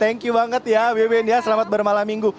thank you banget ya beben ya selamat bermalam minggu